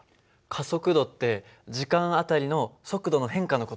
加速度って時間あたりの速度の変化の事だったよね。